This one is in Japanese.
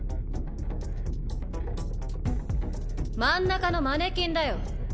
真ん中のマネキンだよ。